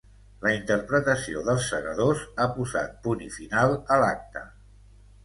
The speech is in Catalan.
La interpretació dEls segadors ha posat punt i final a l’acte.